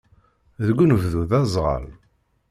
Deg unebdu, d aẓɣal.